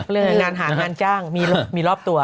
มีงานหางานจ้างมีรอบตัว